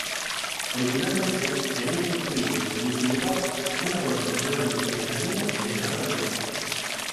Originalmente querían construir en el mismo lugar una torre completamente cristalina de gran altura.